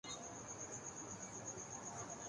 وہ بھی اکثر شاموں کو۔